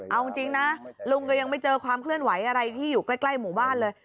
เอาจริงนะลุงก็ยังไม่เจอความเคลื่อนไหวอะไรที่อยู่ใกล้หมู่บ้านเลย